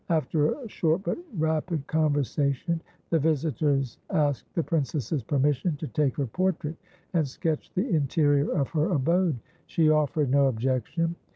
After a short but rapid conversation the visitors asked the princess's permission to take her portrait and sketch the interior of her abode. She offered no objection.